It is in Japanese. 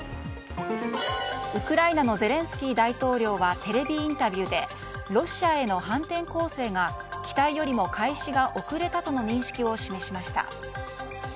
ウクライナのゼレンスキー大統領はテレビインタビューでロシアへの反転攻勢が期待よりも開始が遅れたとの認識を示しました。